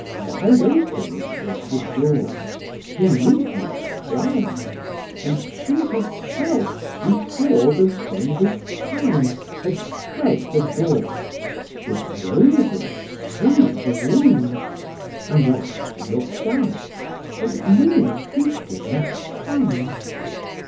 Wide open stood the door; he need not climb; And she herself, before the pointed time, Had spread the board, with roses strew'd the room, And oft look'd out, and mus'd he did not come.